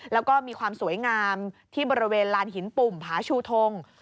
แล้วก็มีความสวยงามที่บริเวณลานหินปุ่มผาชูทง